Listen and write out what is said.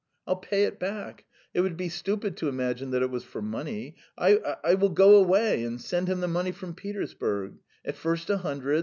"I'll pay it back. It would be stupid to imagine that it was for money I ... I will go away and send him the money from Petersburg. At first a hundred